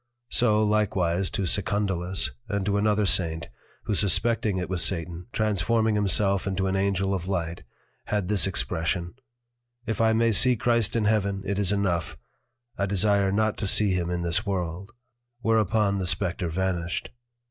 So likewise to Secundellus, and to another Saint, who suspecting it was Satan, transforming himself into an Angel of Light had this expression, If I may see Christ in Heaven it is enough, I desire not to see him in this World; whereupon the Spectre vanished.